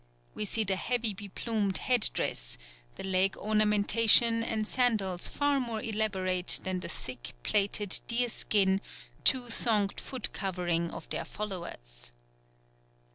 We see the heavy beplumed headdress, the leg ornamentation and sandals far more elaborate than the thick, plaited, deer skin, two thonged foot covering of their followers.